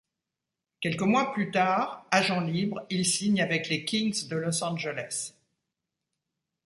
Quelques mois plus tard, agent libre, il signe avec les Kings de Los Angeles.